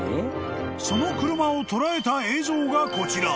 ［その車を捉えた映像がこちら］